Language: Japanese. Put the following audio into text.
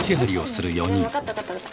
あっ分かった分かった分かった。